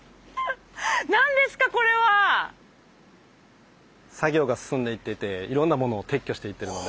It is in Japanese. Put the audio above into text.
何ですかこれは⁉作業が進んでいってていろんな物を撤去していってるので。